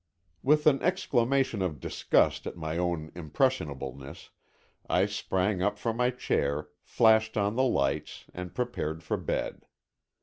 With an exclamation of disgust at my own impressionableness, I sprang up from my chair, flashed on the lights and prepared for bed.